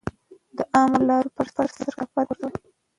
د عامه لارو پر سر کثافات مه غورځوئ.